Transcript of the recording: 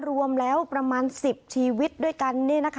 รวมแล้วประมาณ๑๐ชีวิตด้วยกัน